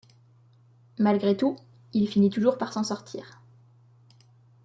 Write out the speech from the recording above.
Malgré tout, il finit toujours par s'en sortir.